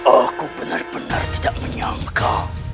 aku benar benar tidak menyangka